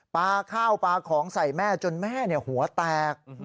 ปลาข้าวปลาของใส่แม่จนแม่หัวแตก